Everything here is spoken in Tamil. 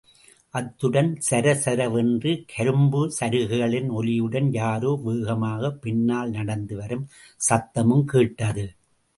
அத்துடன், சரசரவென்ற கரும்பு சரகுகளின் ஒலியுடன், யாரோ வேகமாக பின்னால் நடந்துவரும் சத்தமும் கேட்டது.